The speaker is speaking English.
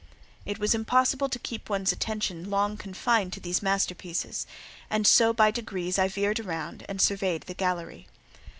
It was impossible to keep one's attention long confined to these master pieces, and so, by degrees, I veered round, and surveyed the gallery.